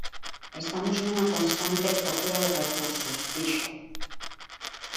"Estamos nunha constante procura de recursos", dixo.